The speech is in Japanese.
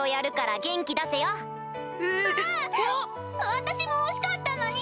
私も欲しかったのに！